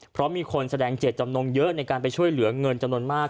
เพราะมีคนแสดงเจตจำนงเยอะในการไปช่วยเหลือเงินจำนวนมาก